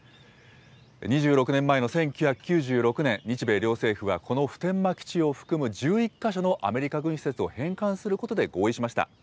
２６年前の１９９６年、日米両政府はこの普天間基地を含む１１か所のアメリカ軍施設を返還することで合意しました。